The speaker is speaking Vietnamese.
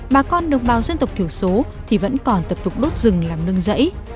bà con đồng bào dân tộc thiểu số thì vẫn còn tập tục đốt rừng làm nương rẫy